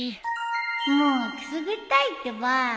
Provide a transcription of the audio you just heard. もうくすぐったいってば